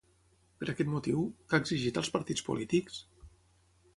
Per aquest motiu, què ha exigit als partits polítics?